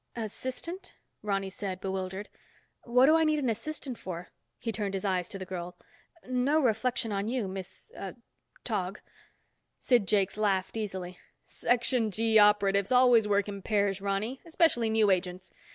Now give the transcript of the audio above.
"Assistant?" Ronny said, bewildered. "What do I need an assistant for?" He turned his eyes to the girl. "No reflection on you, Miss ... ah, Tog." Sid Jakes laughed easily. "Section G operatives always work in pairs, Ronny. Especially new agents.